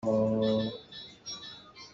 Ka thil na ka chang kho lai maw?